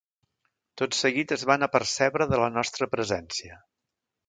Tot seguit es van apercebre de la nostra presència.